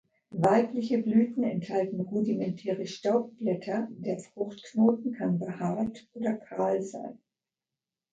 Weibliche Blüten enthalten rudimentäre Staubblätter, der Fruchtknoten kann behaart oder kahl sein.